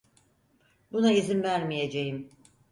Buna izin vermeyeceğim!